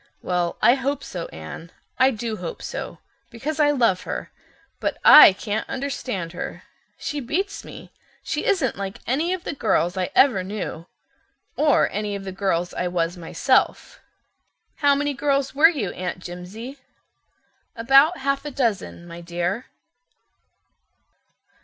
"Well, I hope so, Anne. I do hope so, because I love her. But I can't understand her—she beats me. She isn't like any of the girls I ever knew, or any of the girls I was myself." "How many girls were you, Aunt Jimsie?" "About half a dozen, my dear."